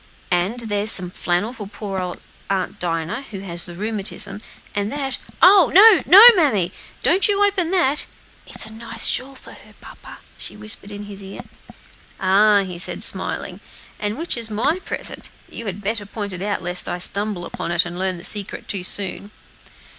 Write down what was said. And here's some flannel for poor old Aunt Dinah, who has the rheumatism; and that oh! no, no, mammy! don't you open that! It's a nice shawl for her, papa," she whispered in his ear. "Ah!" he said, smiling; "and which is my present? You had better point it out, lest I should stumble upon it and learn the secret too soon."